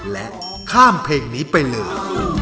และข้ามเพลงนี้ไปเลย